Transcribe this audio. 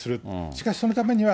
しかしそのためには、